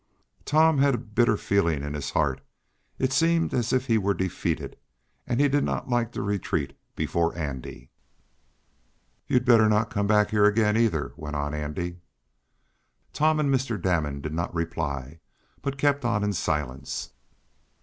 Tom had a bitter feeling in his heart. It seemed as if he was defeated, and he did not like to retreat before Andy. "You'd better not come back here again, either," went on Andy. Tom and Mr. Damon did not reply, but kept on in silence.